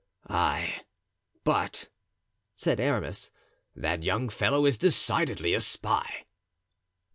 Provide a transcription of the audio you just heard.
"Ay, but," said Aramis, "that young fellow is decidedly a spy."